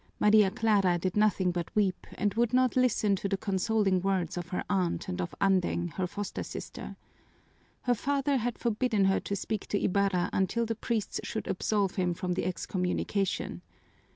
Maria Clara did nothing but weep and would not listen to the consoling words of her aunt and of Andeng, her foster sister. Her father had forbidden her to speak to Ibarra until the priests should absolve him from the excommunication.